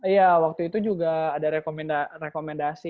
iya waktu itu juga ada rekomendasi